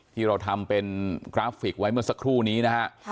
ที่เราทำเป็นกราฟิกไว้เมื่อสักครู่นี้นะฮะ